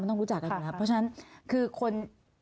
เพราะฉะนั้นคือคน